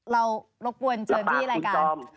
เรารบปวนเจอที่รายการ